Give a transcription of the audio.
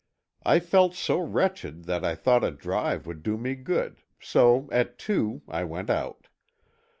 I felt so wretched that I thought a drive would do me good, so at two, I went out.